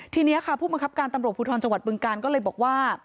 ทีนี้ค่ะผู้บังคับการตำรวจภูทรจังหวัดบึงการก็เลยบอกว่า